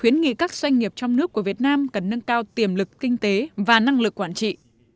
khuyến nghị các doanh nghiệp trong nước của việt nam cần nâng cao tiềm lực kinh tế và năng lực quản trị